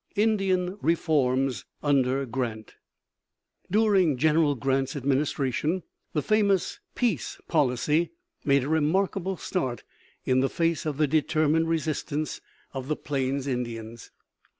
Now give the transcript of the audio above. INDIAN REFORMS UNDER GRANT During General Grant's administration the famous "Peace Policy" made a remarkable start in the face of the determined resistance of the Plains Indians.